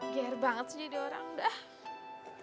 gere banget sih jadi orang dah